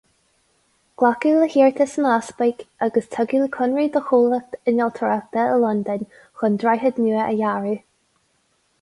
Glacadh le hiarratas an easpaig agus tugadh conradh do chomhlacht innealtóireachta i Londain chun droichead nua a dhearadh.